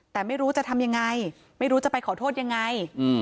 แต่ไม่รู้จะทำยังไงไม่รู้จะไปขอโทษยังไง